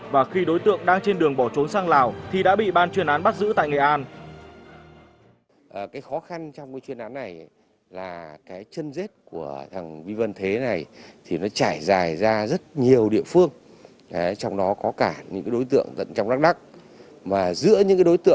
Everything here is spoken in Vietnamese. và khi đối tượng đang trên đường bỏ trốn sang lào thì đã bị ban chuyên án bắt giữ tại nghệ an